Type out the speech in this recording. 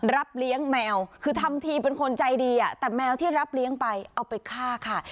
รับเลี้ยงแมวคือทำทีเป็นคนใจดีอ่ะแต่แมวที่รับเลี้ยงไปเอาไปฆ่าค่ะ